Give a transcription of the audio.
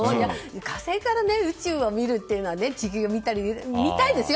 火星から宇宙を見るというのは見たいですよ。